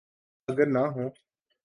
اگر نہ ہوں۔